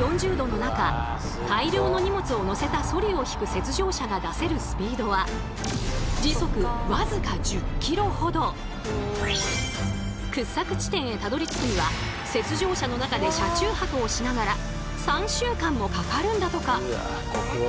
４０℃の中大量の荷物を載せたソリを引く雪上車が出せるスピードは掘削地点へたどりつくには雪上車の中で車中泊をしながら３週間もかかるんだとか！